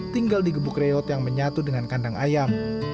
tinggal di gebuk reot yang menyatu dengan kandang ayam